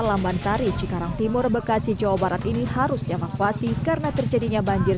lamban sari cikarang timur bekasi jawa barat ini harus dievakuasi karena terjadinya banjir